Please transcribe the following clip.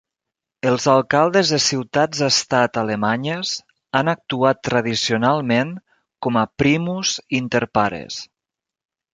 Els alcaldes de ciutats-estat alemanyes han actuat tradicionalment com a "primus inter pares".